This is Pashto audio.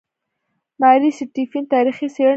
ماري سټیفن تاریخي څېړنې وکړې.